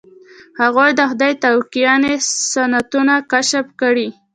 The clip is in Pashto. هغوی د خدای تکویني سنتونه کشف کړي.